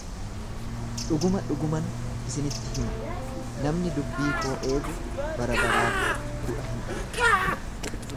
Dhuguma dhuguman isinitti hima, namni dubbii koo eegu barabaraaf du'a hin argu.